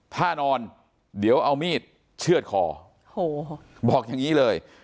ถ้านอนเดี๋ยวเอามีดเชื่อดคอโอ้โหบอกอย่างนี้เลย